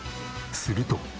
すると。